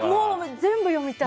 全部読みたい。